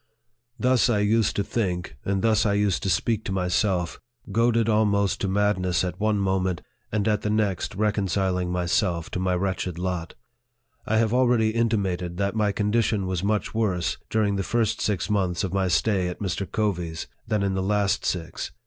Thus I used to think, and thus I used to speak to myself; goaded almost to madness at one moment, and at the next reconciling myself to my wretched lot. I have already intimated that my condition was much worse, during the first six months of my stay at Mr. Covey's, than in the last six.